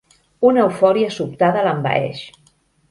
Una eufòria sobtada l'envaeix.